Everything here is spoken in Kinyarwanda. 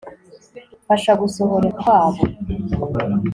mfasha gusohora kwabo